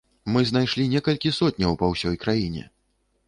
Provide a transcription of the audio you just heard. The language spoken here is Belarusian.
Мы знайшлі некалькі сотняў па ўсёй краіне!